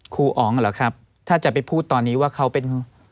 ครูอ๋องเหรอครับถ้าจะไปพูดตอนนี้ว่าเขาเป็น